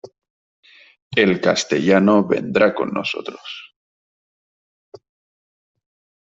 El castellano vendrá con nosotros.